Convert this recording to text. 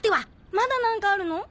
まだ何かあるの？